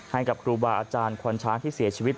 ให้กับครูบาอาจารย์ควันช้างที่เสียชีวิต